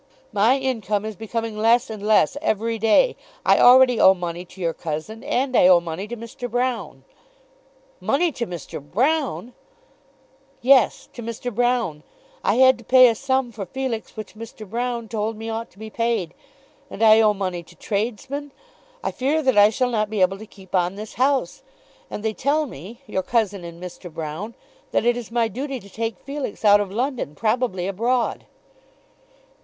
My income is becoming less and less every day. I already owe money to your cousin, and I owe money to Mr. Broune." "Money to Mr. Broune!" "Yes, to Mr. Broune. I had to pay a sum for Felix which Mr. Broune told me ought to be paid. And I owe money to tradesmen. I fear that I shall not be able to keep on this house. And they tell me, your cousin and Mr. Broune, that it is my duty to take Felix out of London, probably abroad."